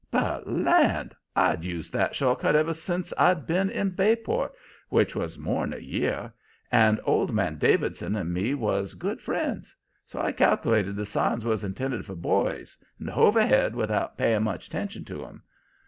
But land! I'd used that short cut ever sence I'd been in Bayport which was more'n a year and old man Davidson and me was good friends, so I cal'lated the signs was intended for boys, and hove ahead without paying much attention to 'em.